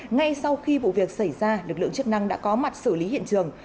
ngay sau khi vụ việc xảy ra lực lượng chức năng đã có mặt xử lý hiện trường